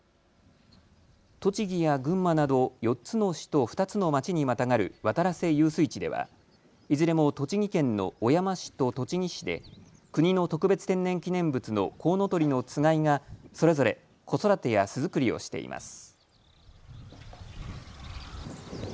栃木や群馬など４つの市と２つの町にまたがる渡良瀬遊水地では、いずれも栃木県の小山市と栃木市で国の特別天然記念物のコウノトリのつがいが、それぞれ子育てや巣作りをしています。